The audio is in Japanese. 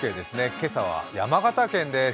今朝は山形県です。